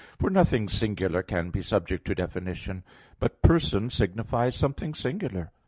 For nothing singular can be subject to definition. But "person" signifies something singular.